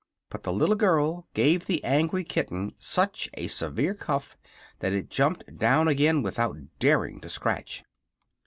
But the little girl gave the angry kitten such a severe cuff that it jumped down again without daring to scratch.